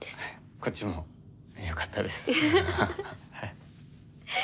こっちもよかったです。